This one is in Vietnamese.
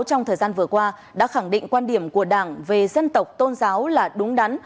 trong thời gian vừa qua đã khẳng định quan điểm của đảng về dân tộc tôn giáo là đúng đắn